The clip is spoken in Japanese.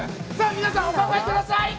皆さん、お考えください。